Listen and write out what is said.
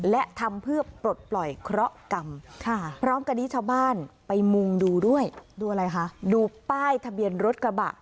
และทำเพื่อปลดปล่อยเคราะห์กรรมพร้อมกันนี้ชาวบ้านไปมุงดูด้วยดูอะไรคะดูป้ายทะเบียนรถกระบะ